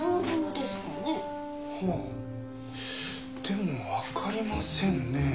でもわかりませんねえ。